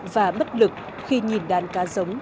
và bất lực khi nhìn đàn cá giống